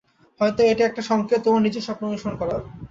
হয়তো এটা একটা সংকেত তোমার নিজের স্বপ্ন অনুসরণ করার।